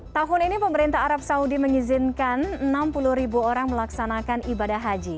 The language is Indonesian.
tahun ini pemerintah arab saudi mengizinkan enam puluh ribu orang melaksanakan ibadah haji